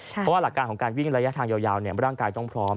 เพราะว่าหลักการของการวิ่งระยะทางยาวร่างกายต้องพร้อม